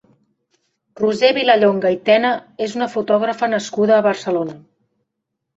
Roser Vilallonga i Tena és una fotògrafa nascuda a Barcelona.